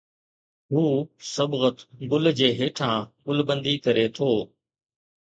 هو صبغت گل جي هيٺان گل بند ڪري ٿو